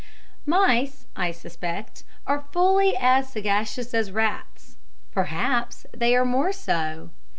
Mice, I suspect, are fully as sagacious as rats; perhaps they are more so.